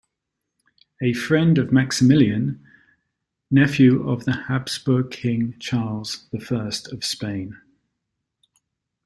A friend of Maximilian, nephew of the Habsburg King Charles the First of Spain.